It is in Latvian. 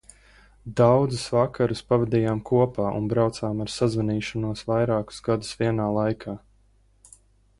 Daudzus vakarus pavadījām kopā un braucām ar sazvanīšanos vairākus gadus vienā laikā.